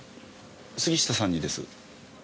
杉下さんにです。